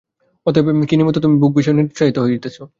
অতএব কি নিমিত্ত তুমি ভোগবিষয়ে নিরুৎসাহিনী হইতেছ।